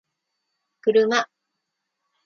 kuruma